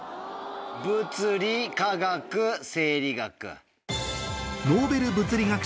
物理化学生理学。